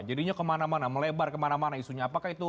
jadinya kemana mana melebar kemana mana isunya